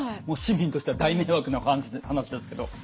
もう市民としては大迷惑な話ですけど。